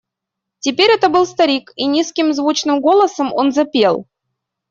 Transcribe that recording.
Теперь это был старик, и низким звучным голосом он запел: